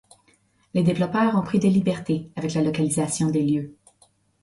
Les développeurs ont pris des libertés avec la localisation des lieux.